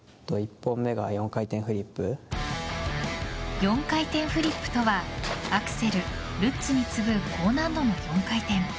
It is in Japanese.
４回転フリップとはアクセル、ルッツに次ぐ高難度の４回転。